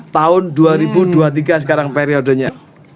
tahun dua ribu dua puluh tiga sekarang periodenya